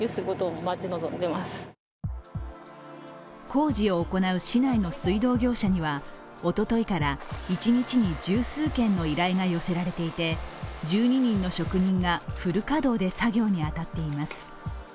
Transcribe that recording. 工事を行う市内の水道業者にはおとといから一日に十数件の依頼が寄せられていて、１２人の職人がフル稼働で作業に当たっています。